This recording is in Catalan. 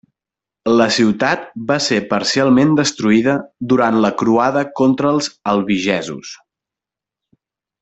La ciutat va ser parcialment destruïda durant la Croada contra els albigesos.